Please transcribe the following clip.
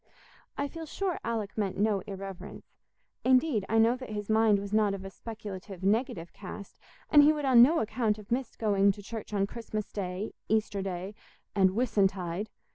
I feel sure Alick meant no irreverence; indeed, I know that his mind was not of a speculative, negative cast, and he would on no account have missed going to church on Christmas Day, Easter Sunday, and "Whissuntide."